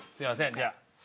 じゃあ。